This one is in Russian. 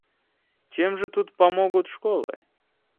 Чем же тут помогут школы?